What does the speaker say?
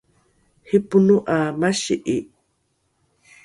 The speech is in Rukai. ripono ’a masi’i